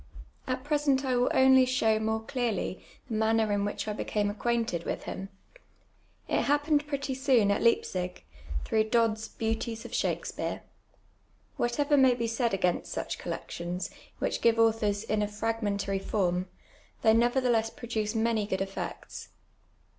At present I ^vill only show more clearly the manner in which I became acquainted with him. It happened pretty soon at Leipzig, through Dodd's Beauties of Shakspeare. "Wliatever may be said against such collections, which give authors in a fragmentary form, they nevertheless produce many good effects.